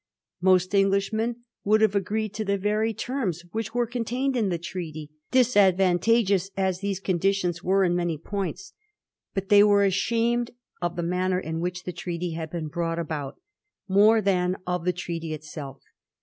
Most Englishmen would have agreed to the very terms which were contained in the Treaty, disad vantageous as these conditions were in many points. But they were ashamed of the manner in which the Treaty had been brought about, more than of the Treaty itself.